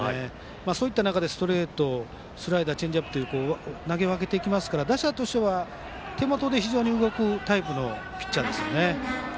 そういった中でストレートスライダー、チェンジアップと投げ分けてくるので打者は手元で動くタイプのピッチャー。